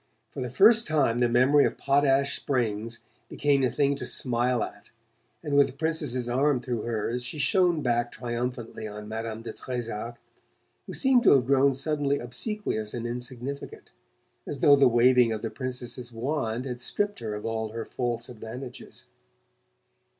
For the first time the memory of Potash Springs became a thing to smile at, and with the Princess's arm through hers she shone back triumphantly on Madame de Trezac, who seemed to have grown suddenly obsequious and insignificant, as though the waving of the Princess's wand had stripped her of all her false advantages.